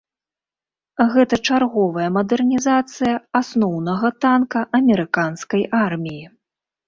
Гэта чарговая мадэрнізацыя асноўнага танка амерыканскай арміі.